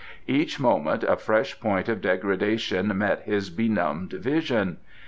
Each moment a fresh point of degradation met his benumbed vision.